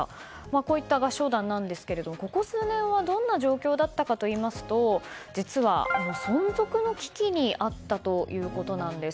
こういった合唱団なんですけれどここ数年はどんな状況だったかといいますと実は存続の危機にあったということなんです。